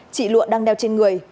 chị lụa đang đeo trên người